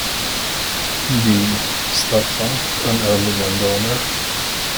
B. Stockton, an early landowner.